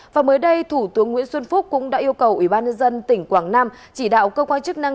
và mới đây thủ tướng nguyễn xuân phúc cũng đã yêu cầu ủy ban nhân dân tỉnh quảng nam chỉ đạo cơ quan chức năng